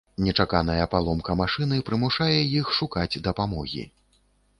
Нечаканая паломка машыны прымушае іх шукаць дапамогі.